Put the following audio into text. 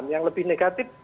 yang lebih negatif